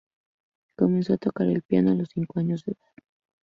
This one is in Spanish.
Comenzó a tocar el piano a los cinco años de edad.